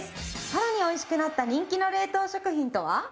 さらにおいしくなった人気の冷凍食品とは？